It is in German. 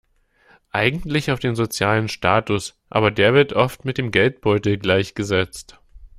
Eigentlich auf den sozialen Status, aber der wird oft mit dem Geldbeutel gleichgesetzt.